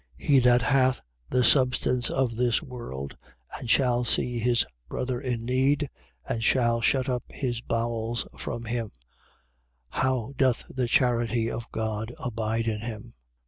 3:17. He that hath the substance of this world and shall see his brother in need and shall shut up his bowels from him: how doth the charity of God abide in him?